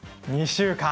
２週間？